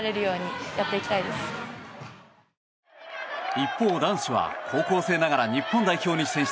一方、男子は高校生ながら日本代表に選出。